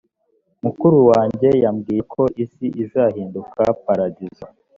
mukuru wanjye yambwiye ko isi izahinduka paradizo